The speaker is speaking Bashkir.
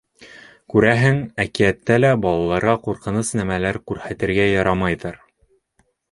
Күрәһең, әкиәттә лә балаларға ҡурҡыныс нәмәләр күрһәтергә ярамайҙыр.